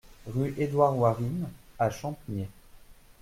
Rue Edward Warin à Champniers